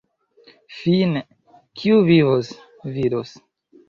Fine, kiu vivos, vidos.